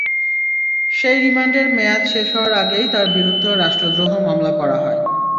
সেই রিমান্ডের মেয়াদ শেষ হওয়ার আগেই তাঁর বিরুদ্ধে রাষ্ট্রদ্রোহ মামলা করা হয়।